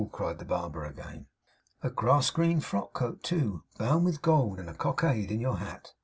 cried the barber again. 'A grass green frock coat, too, bound with gold; and a cockade in your hat!